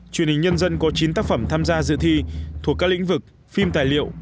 truyền hình nhân dân có chín tác phẩm tham gia dự thi thuộc các lĩnh vực phim tài liệu